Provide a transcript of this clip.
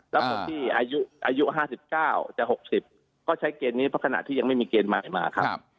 แล้วคนที่อายุ๕๙จะ๖๐ก็ใช้เกณฑ์นี้เพราะขณะที่ยังไม่มีเกณฑ์ใหม่มาครับ